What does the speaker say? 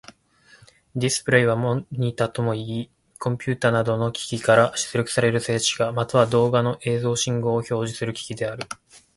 ディスプレイはモニタともいい、コンピュータなどの機器から出力される静止画、または動画の映像信号を表示する機器である。